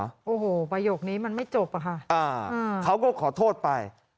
โอ้โหประโยคนี้มันไม่จบอะค่ะอ่าเขาก็ขอโทษไป